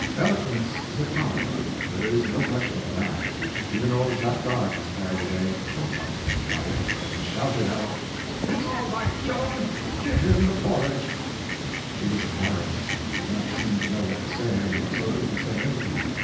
Eloquence is a power, there is no question of that. Even old Jacques d'Arc was carried away, for once in his life, and shouted out: "It's all right, Joan—give him the porridge!" She was embarrassed, and did not seem to know what to say, and so didn't say anything.